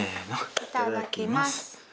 いただきます。